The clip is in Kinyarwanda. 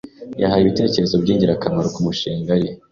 yahaye ibitekerezo byingirakamaro kumishinga ye